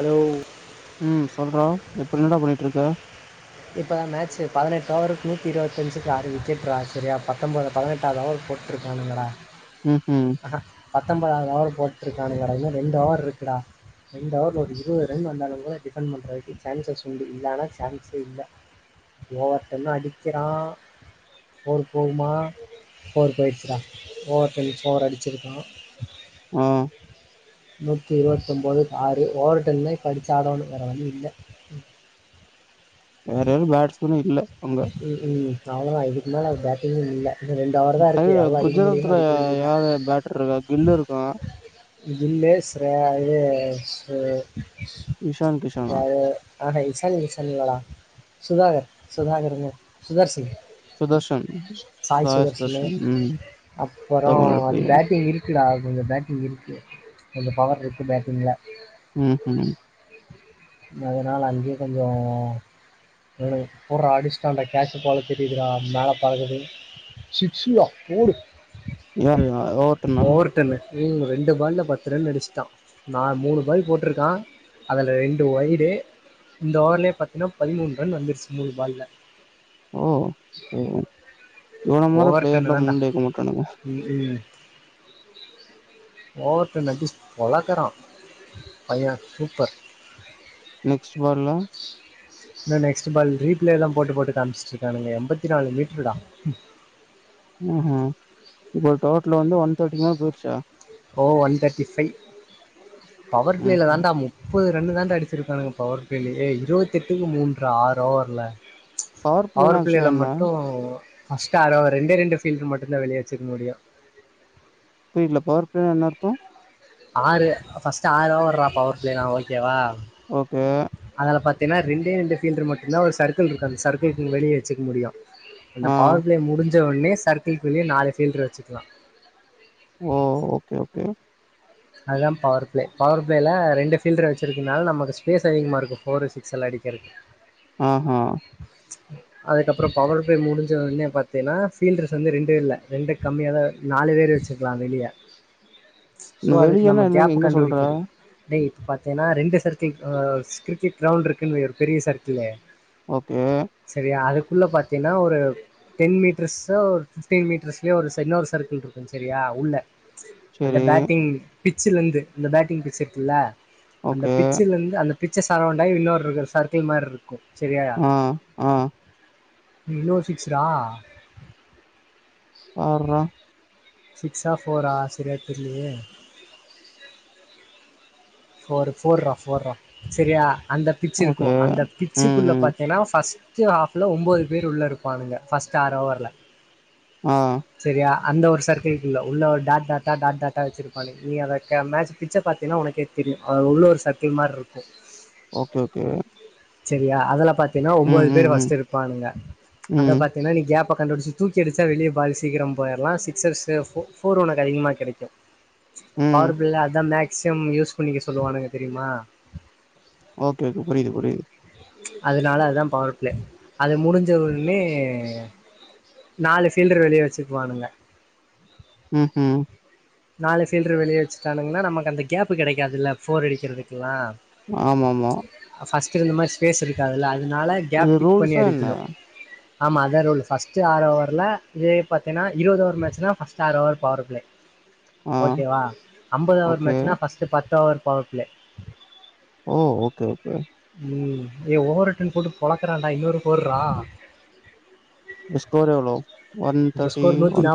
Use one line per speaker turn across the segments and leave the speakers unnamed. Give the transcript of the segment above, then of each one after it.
Allow
ம் சொல்றா இப்ப என்னடா பண்ணிட்ருக்க
இப்ப தா மேச்சு பதினெட்டு ஓவருக்கு நூத்தி இருவத்தஞ்சுக்கு ஆறு விக்கெட்ரா செரியா பத்தொம்போது பதினெட்டாவது ஓவர்க்கு போட்ருக்கானுங்கடா
ம்ம்
பத்தொம்பதாவது ஓவர் போட்ருக்கானுங்கடா இன்னு ரெண்டு ஓவர்ருக்குடா ரெண்டு ஓவர்ல ஒரு இருவது ரன் வந்தாலுங்கூட டிஃபெண்ட் பண்றதுக்கு சான்சஸ் உண்டு இல்லனா சான் ஸு இல்ல ஓவர் டென்னா அடிக்கறா ஃபோரு போகுமா ஃபோரு போய்ர்ச்சு டா ஓவர் டைம் ஃபோர் அடுச்சிருக்கா
ம்
நூத்தி இருவத் ஒம்போதுக்கு ஆறு ஓவர் டென்தா இப்ப அடுச்சி ஆடனு வேற வழி இல்ல
வேற யார் பேட்ஸ் குனு இல்ல அங்க
ம் ம் அவ்ளோதா இதுக்கு மேல பேட்டிங்கு இல்ல இன்னு ரெண்டு ஓவர் தா
டை
இருக்கு எவ்ளோ அடிக்க முடியுமோ
குஜராத்ல
அடிக்க வேண்டியதுதா
யாரு பேட்டர் இருக்கா கில்லு இருக்கா
கில்லு ஸ்ரேயா இது ஸ்ரே
இஷான் கிஷானா
யாரு ஆஹா இசான் கிசான் இல்லடா சுதாகர் சுதாகர்னு சுதர்ஷன்
சுதர்ஷன்
சாய் சுதர்ஷனு
சுதர்ஷன் ம்
அப்பறோ
தமிழ்நாடு
அது
பையன்
பேட்டிங் இருக்குடா கொஞ்சோ பேட்டிங் இருக்கு கொஞ்சோ பவர் இருக்கு பேட்டிங்ல
ம் ம்
மொத நாள் அங்கயே கொஞ்சோ விளாடு போட்றா அடிச்டாண்டா கேச்சு போல தெரியிது டா மேல பறக்குது சிக்ஸுடா போடு
யாரு ஓவர் டென்னா
ம் ரெண்டு பால்ல பத்து ரன் அடிச்சிட்டா நா மூணு பால் போட்ருக்கா அதுல ரெண்டு ஒய்டு இந்த ஓவர்லயே பாத்தீன்னா பதிமூணு ரன் வந்துருச்சி மூணு பால்ல
ஓ ஓ இவன மாரி
ஓவர் டன்னு
பிளேயர்லா
தான்டா
முன்னாடி வைக்க மாட்டானுங்க
ம் ம் ஓவர் டென்னு அடுச்சி பொலக்கறா பைய சூப்பர்
நெக்ஸ்ட் பால்ல
இன்ன நெக்ஸ்ட் பால் ரீப்ளேலா போட்டு போட்டு காமிச்சுட்ருக்கானுங்க எம்பத்தி நாலு மீட்ருடா
ம் ம் இப்ப டோட்லு வந்து ஒன் தேட்டிக்கு மேல பொய்ருச்சா
ஓ ஒன் தேட்டி ஃபைவ் பவர்
ம்
பிளேல
ம்
தான்டா நுப்பது ரன்னு தாண்டா அடுச்சிருக்கானுங்க பவர் ப்ளேலய இருவத்தெட்டுக்கு மூன்றா ஆறு ஓவர்ல
பிளேனா
பவர்
ஆக்சுவலா
ப்ளேல
என்ன
மட்டு ஃபர்ஸ்ட்டு ஆடோவர் ரெண்டே ரெண்டு ஃபீல்ட்ரு மட்டுதா வெளிய வச்சிக்க முடியு
இதுல பார்த்தா என்ன அர்த்தோ
ஆறு ஃபர்ஸ்ட் ஆறு ஓவர்ரா பவர் பிளேனா ஓகேவா
ஓகே
ஏன்னா ரெண்டே ரெண்டு ஃபீல்ரு மட்டும்தான் ஒரு சர்க்குள் இருக்கு அந்த சர்க்குள்கு வெளியே வச்சுக்க முடியு என்ன
ஆ
பவர் பிளே முடிஞ்சு முடுஞ்சவொன்னே சர்க்குள்கு வெளிய நாலு ஃபீல்ட்ரு வச்சுக்கலாம்
ஓ ஓகே ஓகே
அதுதான் பவர் பிளே பவர் பிளேல ரெண்டு ஃபீல்ர வச்சிருக்கனால நமக்கு ஸ்பேஸ் அதிகமா இருக்கும் ஃபோரு சிக்ஸ்ல்லா அடிக்கிறதுக்கு
ஆஹா.
அதுக்கப்புறம் பவர் பிளே முடிஞ்சவொன்னே பத்தேன்னா ஃபீல்டர்ஸ் வந்து ரெண்டு இல்ல ரெண்டு கம்மியாதான் நாலு பேர் வச்சுக்கலாம் வெளிய
இந்த
ஸோ அதுக்கு
வெளியன்னா
நம்ம
என்னங்க
கேப்பு
எங்க சொல்ற?
கண்டுபிடிக்கறது டேய் பாத்தேன்னா ரெண்டு சர்க்கிள் ஆஹ் கிரிக்கெட் கிரவுண்ட் இருக்குன்னு வை ஒரு பெரிய சர்க்குளு
ஓகே
உள்ள பாத்தேன்னா ஒரு டென் மீட்டர்ஸோ ஒரு ஃபிஃப்டீன் மீட்டர்ஸ்லயோ ஒரு ச இன்னொரு சர்க்கிள் இருக்கும் சரியா உள்ள அந்த
சேரி
பேட்டிங் பிச்சுல இருந்து அந்த பேட்டிங் பிச்சு இருக்குல அந்த
ஓகே.
பிச்சுல இருந்து அந்த பிச்ச சரவுண்டாயி இன்னொரு ருக்கு சர்க்கிள் மாரி இருக்
ஆஹ் ஆஹ்
இவ்ளோ சிக்ஸரா
பார்ரா
சிக்ஸா ஃபோரா சரியா தெர்லயே ஃபோரு ஃபோர்ரா ஃபோர்ரா சரியா அந்த பிச்சு
ஓகே.
இருக்கும் அந்த
ம்,
பிச்சுக்குள்ள
ம்.
பாத்தேனா ஃபஸ் [unintelligible] ஹாப்ல ஒன்போது பேர் உள்ள இருப்பானுங்க ஃபர்ஸ்ட் ஆறு ஓவர்ல
ஆஹ்
சரியா அந்த ஒரு சர்க்குள்குள்ளே உள்ள ஒரு டாட்டாட்டா டாட்டாட்டா வச்சிருப்பானுக நீ அத கே மேட்ச் பிட்ச பாத்தேனா உனக்கே தெரியு அது உள்ள ஒரு சர்க்குல் மாரி இருக்கு
ஓகே ஓகே
சரியா அதுல பாத் தேனா
ம்,
ஒன்போது பேர்
ம், ம்.
பஸ்ட் இருப்பானுங்க அத
ம்,
பாத்தேன்னா நீ கேப் இப்ப கண்டுபிச்சு தூக்கி அடுச்சா வெளிய பால் சீக்கிரம் போயற்லாம் சிக்சர்ஸு ஃபோர் உனக்கு அதிகமா கெடைக்கும்
ம்.
பவரு பிள்ள அதான் மேக் சம் யூஸ் பண்ணிக்க சொல்லுவானுங்க தெரியுமா
ஓகே, ஓகே. புரியுது, புரியுது.
ச் அதுனால அதான் பவர் பிளே அது முடிஞ்ச உடனே நாலு பீல்டரு வெளிய வச்சுக்குவானுங்க
உம் ஹும்
நாலு ஃபீல்ட்ரு வெளிய வச்சுட்டானுங்கன்னா நமக்கு அந்த கேப் கெடைகாதுல்ல ஃபோர் அடிக்கிறதுக்கெல்லாம்
ஆமாமா
ஃபர்ஸ்ட் இருந்த மாரி ஸ்பேஸ் இருக்காது இல்ல அதனால கேப்
இது
பிக் பண்ணி
ரூல்ஸா என்ன?
அடிக்கணு ஆமா அதே ரூல் ஃபர்ஸ்ட் ஆறு ஓவர்ல இதே பாத்தினா இருபது ஓவர் மேட்ச்னா ஃபர்ஸ்ட் ஆறு ஓவர் பவர் பிளே
ஆ.
ஓகேவா ஐம்பது ஓவர்
ஓகே.
மேட்சனா ஃபர்ஸ்ட் பத்து ஓவர் பவர் பிளே
ஓ ஓகே ஓகே
ம்ம் ஏ ஓவர் ரிட்டர்ன் போட்டு பொளக்குறா டா இன்ன ஒரு ஃபோர் றா
ஸ்கோர் எவ்ளோ ஒன் தர்ட்டி ஒன்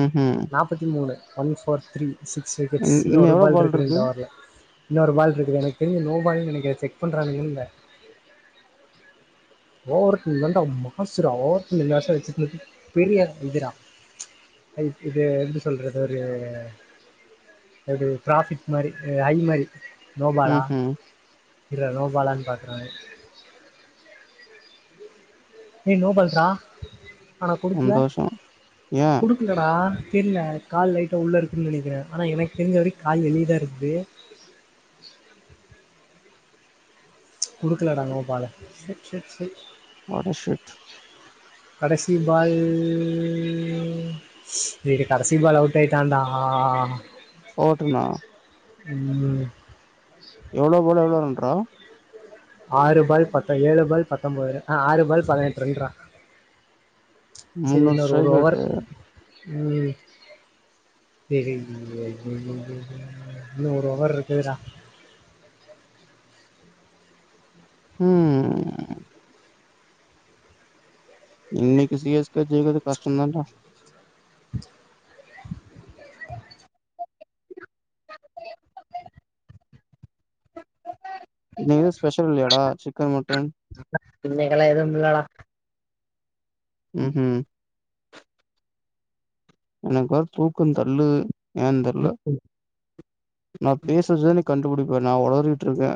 ம்ஹ்ம்.
நாபத்தி மூணு one four three six
in
wickets இன்னு
இன்னும்
ஒரு
எவ்ளோ
பால் இருக்கு ரெண்டு ஒவர்ல இன்னொரு பால் இருக்கு எனக் தெர்ல நோ பாலுன்னு நெனைக்கிற செக் பண்றாங்கள்ல ஓவர் கம் தாண்டா மாசு ஓவர் கம் [unintelligible] பெரிய இது டா இது எப்டி சொல்றது ஒரு ஒரு பிராஃபிட் மாரி ஐ மாரி
உஹ் ஹ்ம்
இரா நோ பாலான்னு பாக்குற ஏ நோபல் ரா ஆனா குடுக்கல
சந்தோஷம். ஏன்?
குடுக்கல டா தெரில கால் லைட்டா உள்ள இருக்குன்னு நெனைக்கிற ஆனா எனக்கு தெரிஞ்ச வரைக் கால் வெளிய தா இருக்குது கொடுக்கலடா நோ பாலு ச ச சை
வாட் எ ஷிட்
கடைசி பால் டேய் டேய் கடைசி பால் அவுட் ஆயிட்டான்டா ஆ ஆ
ஓட்டுன
உம்
எவ்ளோ பால் எவ்ளோ ரண்ரா
ஆறு பால் பத்த ஏழு பால் பத்தொன்பது ஆ ஆறு பால் பதினெட்டு ரன் ரா
முன்னூறு ஸ்ட்ரைக் அவுட்டு
உம் தெரிலியே இன்னு ஒரு ஓவர் இருக்குடா
உஹ்ம் இன்னைக்கு சிஎஸ்கே ஜெயிக்கிறது கஷ்டோ தா டா இன்னைக்கு எது ஸ்பெஷல் இல்லயாடா சிக்கன் மட்டன்
இன்னைக்கெல்லா எதுவும் இல்லடா
உஹம் உம் எனக்கு வேர தூக்கோ தள்ளுது ஏ தெர்ல நா பேசுச கண்டுபிடிப்ப நா உளறிட்டு இருக்க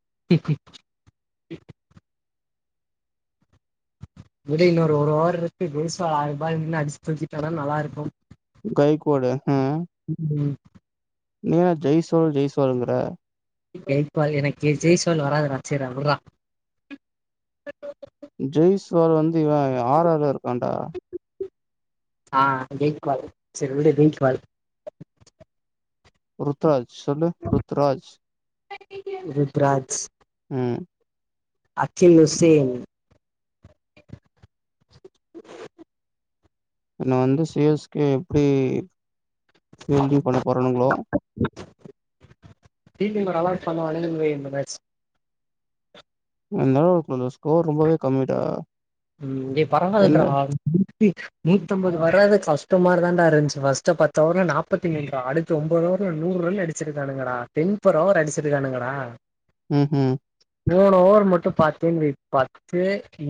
[inaudible] இரு இன்னொரு ஒரு ஓர் இருக்கு [unintelligible] நின்னு அடிச்சு தூக்கிட்ட தா நல்லா இருக்கு
கைக்கூட
[inaudible]
நீ ஏன் ஜெய்சோல் ஜெய்சோல்ங்கற
எய்ட் பால் எனக்கே ஜெய்சோல்ன்னு வராதுடா சேரிரா வுட்ரா
ஜெய்ஸ்வால் வந்து இவ ஆர் ஆர்ல இருக்கான்டா
ஆ ஜெய்ஸ்வால் சேரி வுடு ஜெய்ஸ்வால்
ருத்ராஜ் சொல்லு ருத்ராஜ்
ருத்ராஜ்
ம்
அக்கேல் ஹோசேன்
இவன வந்து சி எஸ் கே எப்டி ஃபில்டிங் பண்ண போறாணுங்ளோ
ஃபீல்டிங்ல நல்லா பண்ணுவானுங்கவை இந்த மேட்ச்
இந்த தடவ கொஞ்சோ ஸ்கோர் ரொம்பவே கம்மிடா
ம் டேய்
என்ன
பரவாயில்ரா நூத்தி நூத்தம்பது வர்றது கஷ்டமா தாண்டா இருஞ்ச்சு ஃபர்ஸ்ட்டு பத்து ஓவர்ல நாப்பத்தி மூணுரா அடுத்து ஒம்போது ஓவர்ல நூறு ரன் அடிச்சிருக்கானுங்கடா டென்ம்பர் ஓவர் அடிச்சிருக்கானுங்கடா
ம்ஹும்
மூணு ஓவர் மட்டு பாத்தேனு வை பத்து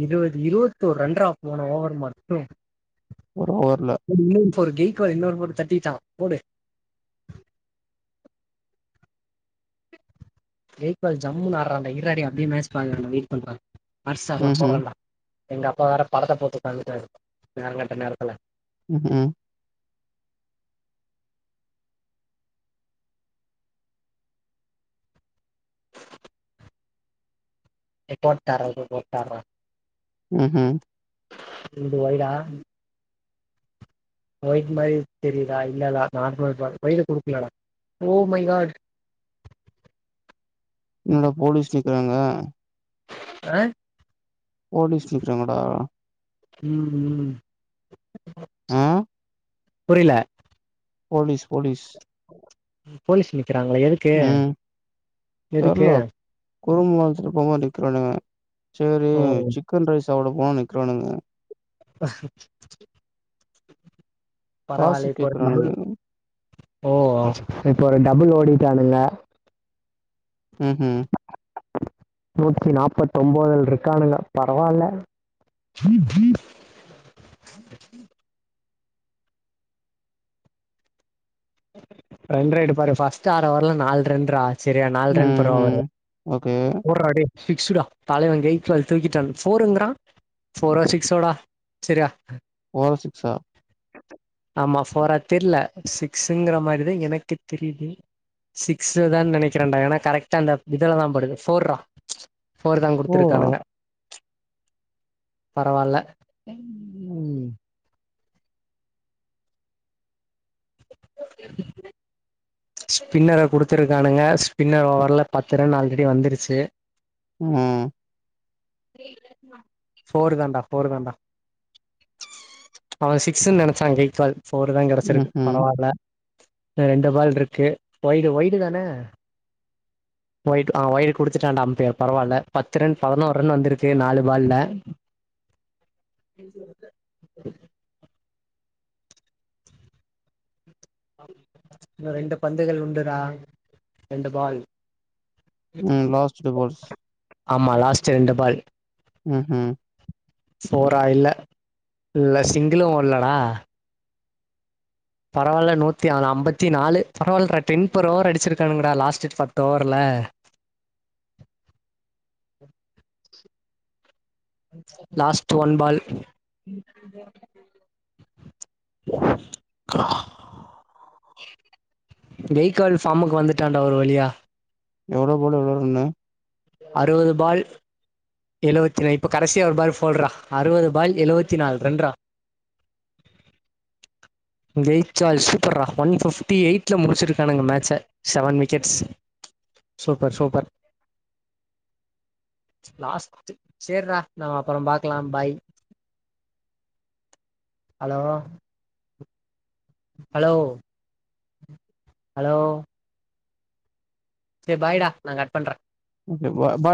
இருவத் இருவத்தோரு ரண்ட் டா போன ஓவர் மட்டு
ஒரு ஓவர்ல
ஒரு கெய்க்வால் இன்னொரு போட்டு தட்டிட்டா போடு கெய்க்வால் ஜம்முனு ஆடுறான்டா இரராடே அப்டியே மேச் பாக்குறன்டா வெயிட் பண்றா அர்சார்லா
ம்ஹ்ம்.
போடறான்ட எங்க அப்பா வேற படத்த போட்டு உக்காந்துடாரு நேரங்கட்ட நேரத்துல
ம் ஹு
ஏ போட்டாற்றா இது போட்டாற
ம் ஹு
இது ஒய்டா ஒய்டு மாரி தெரியுதா இல்லடா நார்மல் பால் ஒய்டு குடுக்லடா ஓ மை காட்
இன்னாட போலீஸ் நிக்குறாங்க
அ
போலீஸ் நிக்றாங்க டா
ம் ஹு
ஆ
புரிய்ல
போலிஸ் போலிஸ்
போலிஸ் நிப் கிறாங்ளா எதுக்கு
ம்.
எதுக்கு
குறும் அழச்சிட்டு போ போது நிக்கிறானுங்க சேரி
ஓ
சிக்கன் ரைஸ் சவுட போனு நிக்றானுங்க
பரவாயில்ல
காசுக்
இப்போ ஒரு
கேக்குறானுங்க
தமிழ் ஓ இப்போ ஒரு டபுள் ஓடிட்டானுங்க
உம் உஹும்
நூத்தி நாப்பத்தொம்போதுல இருக்கானுங்க பரவால்ல ரெண்ற எடுப்பாரு பஸ்ட் ஆறு அவர்ல நால் ரன்ரா சரியா நாலு ரன்
ம்,
அப்பரோ அவரு
ம். ஓகே
சிக்ஸ்டா தலைவே கெய்த்வால் தூக்கிட்ட போருங்குறா போரா சிக்ஸோடா செரியா
ஃபோரா சிக்ஸா
ஆமா ஃபோரா தெர்ல சிக்ஸுங்குற மாரிதா எனக்கே தெரியுது சிக்ஸ்தா நெனைக்கிறேன்டாங்க ஏன்னா கரெக்டா அந்த இதுலதா படுது ஃபோர்ரா ஃபோர்தா
ஓ!
குடுத்துருக்கானுங்க பரவால்ல உம் [unintelligible] ஸ்பின்னர குடுத்துருக்கானுங்க ஸ்பின்னர் ஓவர்ல பத்து ரன் ஆல்ரெடி வந்துருச்சு
உம்
ஃபோரு தண்டா ஃபோர் தண்டா அவெ சிக்ஸ்ன்னு நெனச்சா கெய்த்வால் ஃபோருதா கெடைச்சுருக்கு
ம்ஹ்ம்.
பரவால்ல ரெண்டு ஃபால் இருக்கு ஒய்டு ஒய்டு தான ஒய்டு ஒய்டு குடுத்துட்டா அம்பயர் பரவால்ல பத்து ரன் பதுனோர் த்து ரன் வந்துருக்கு நாலு ஃபால்லா இன்ன ரெண்டு பந்துகள் உண்டுடா ரெண்டு ஃபால்
உம் லாஸ்ட்டு ஃபால்ஸ்
ஆமா லாஸ்ட் ரெண்டு ஃபால்
உம் ஹும்
ஃபோரா இல்ல இல்ல சிங்கிளு ஓடலடா பரவால்ல நூத்தி அ அம்பத்தி நாலு பரவால்லடா டென் ஒரு ஓவர் அடிச்சிருக்கானுங்கடா லாஸ்ட் டேட் பத்து ஓவர்ல லாஸ்ட் ஒன் ஃபால் கெய்கால் ஃபார்முக்கு வந்துட்டான்டா ஒரு வழியா
எவ்ளோ ஃபாலு எவ்ளோ ரன்னு
அறுவது ஃபால் எழுவத்தி இப்ப கடைசியா ஒரு ஃபால் ஃபோல்ரா அறுவது ஃபால் எழுவத்தி நாலு ரன்ரா கெய்த்வால் சூப்பர்ரா ஒன் ஃபிப்டி எயிட்ல முடிச்சு இருக்கானுங்க ஃமேட்ச்ச seven wickets super super last சேர்டா நம்ம அப்பறம் பாக்கலா ஃபாய் ஹலோ ஹலோ ஹலோ செரி ஃபாய்டா நா கட் பண்றே
[unintelligible]